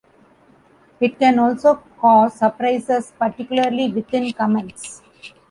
It can also cause surprises, particularly within comments.